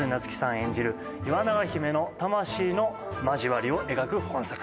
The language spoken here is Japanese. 演じるイワナガヒメの魂の交わりを描く本作。